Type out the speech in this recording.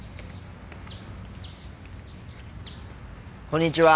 こんにちは。